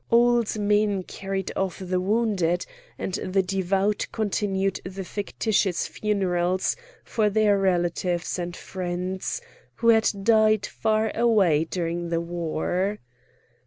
Old men carried off the wounded, and the devout continued the fictitious funerals for their relatives and friends who had died far away during the war.